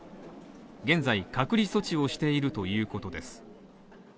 現在、隔離措置をしているということです。